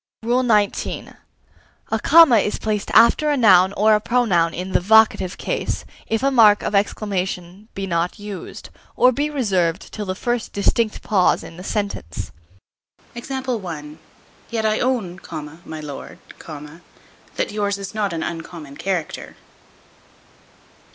XIX. A comma is placed after a noun or a pronoun in the vocative case, if a mark of exclamation be not used, or be reserved till the first distinct pause in the sentence. Yet I own, my lord, that yours is not an uncommon character.